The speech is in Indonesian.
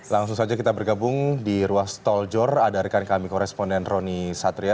langsung saja kita bergabung di ruas tol jor ada rekan kami koresponden roni satria